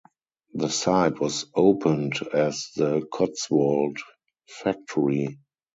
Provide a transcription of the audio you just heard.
The site was opened as the Cotswold Factory.